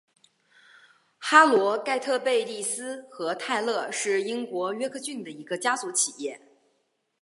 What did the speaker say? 哈罗盖特贝蒂斯和泰勒是英国约克郡的一个家族企业。